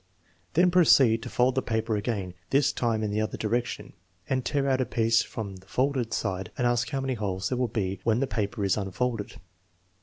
9 Then proceed to fold the paper again,, this time in the other direction, and tear out a piece from the folded side and ask how many holes there will be when the paper is unfolded.